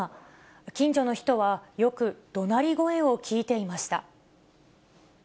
近所の人はよくどなり声を聞いていました。